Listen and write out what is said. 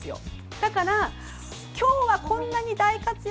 だから、今日はこんなに大活躍